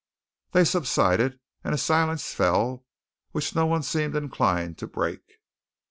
They subsided, and a silence fell which no one seemed inclined to break.